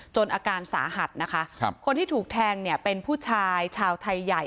อาการสาหัสนะคะครับคนที่ถูกแทงเนี่ยเป็นผู้ชายชาวไทยใหญ่